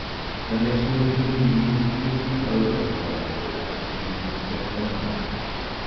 When they saw a human being they flew over to her, as if she would set them right.